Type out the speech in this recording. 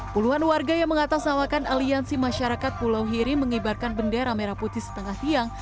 puluhan warga yang mengatasawakan aliansi masyarakat pulau hiri mengibarkan bendera merah putih setengah tiang